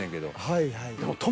はいはい。